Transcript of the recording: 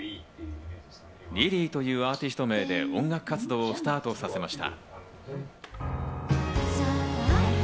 ｌｉｌｙというアーティスト名で音楽活動をスタートさせました。